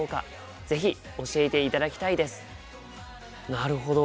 なるほど。